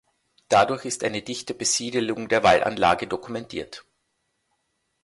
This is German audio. Dadurch ist eine dichte Besiedlung der Wallanlage dokumentiert.